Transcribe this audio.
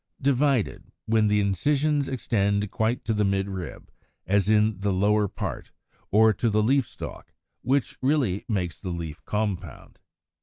Divided, when the incisions extend quite to the midrib, as in the lower part of Fig. 151, or to the leaf stalk, as in Fig. 155; which really makes the leaf compound.